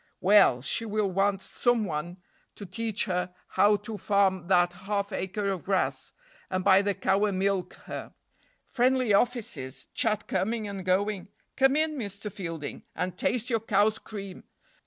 Well, she will want some one to teach her how to farm that half acre of grass, and buy the cow and milk her. Friendly offices chat coming and going come in, Mr. Fielding, and taste your cow's cream!